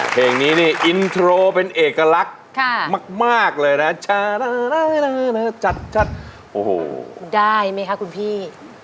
เพลงนี้นี่อินโทรเป็นเอกลักษณ์มากเลยนะจัดโอ้โหได้ไหมคะคุณพี่